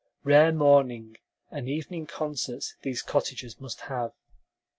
Rare morning and evening concerts those cottagers must have.